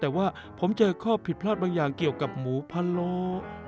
แต่ว่าผมเจอข้อผิดพลาดบางอย่างเกี่ยวกับหมูพะโลอยู่บ้างนะเย้อีเชี่ยน